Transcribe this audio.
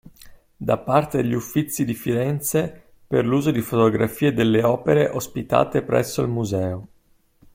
Da parte degli Uffizi di Firenze per l'uso di fotografie delle opere ospitate presso il museo.